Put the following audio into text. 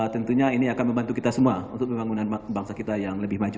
tentunya ini akan membantu kita semua untuk membangun bangsa kita yang lebih maju